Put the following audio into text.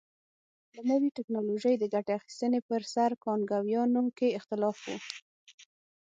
له نوې ټکنالوژۍ د ګټې اخیستنې پر سر کانګویانو کې اختلاف و.